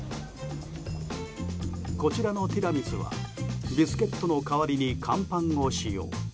こちらのティラミスはビスケットの代わりにカンパンを使用。